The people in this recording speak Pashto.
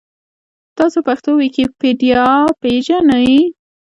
تاسو پښتو ویکیپېډیا پېژنۍ؟